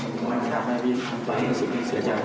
แต่มันทำให้พี่ทำตัวให้รู้สึกเสียใจมาก